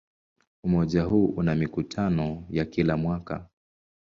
Umoja huu una mikutano ya kila mwaka.